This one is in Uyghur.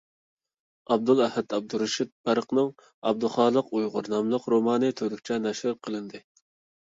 ئابدۇلئەھەد ئابدۇرېشىت بەرقىنىڭ «ئابدۇخالىق ئۇيغۇر» ناملىق رومانى تۈركچە نەشر قىلىندى.